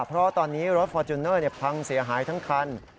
เพราะว่าตอนนี้รถฟอร์จูเนอร์พังเสียหายทั้งคัน